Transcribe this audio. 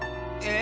え？